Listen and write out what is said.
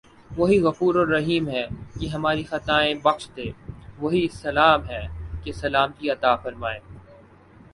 وہی غفورالرحیم ہے کہ ہماری خطائیں بخش دے وہی سلام ہے کہ سلامتی عطافرمائے